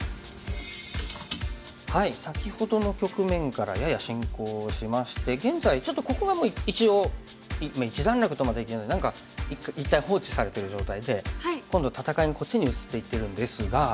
先ほどの局面からやや進行しまして現在ちょっとここはもう一応一段落とまではいってない何か一回放置されてる状態で今度戦いがこっちに移っていってるんですが。